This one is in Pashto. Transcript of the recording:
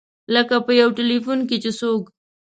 لکه په یو ټیلفون چې څوک.